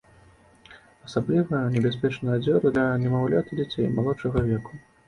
Асабліва небяспечны адзёр для немаўлят і дзяцей малодшага веку.